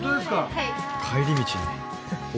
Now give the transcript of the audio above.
はい。